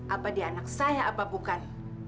apa dia anak saya apa bukan